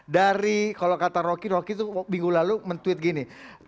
dari kalau kata rocky rocky itu minggu lalu men tweet gini